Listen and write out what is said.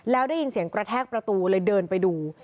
แล้วได้ยินเสียงกระแทกประตูเลยเดินไปดู